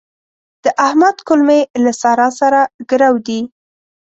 د احمد کولمې له سارا سره ګرو دي.